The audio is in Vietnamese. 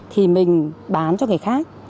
thì mình bán cho người khác